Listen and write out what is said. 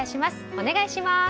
お願いします。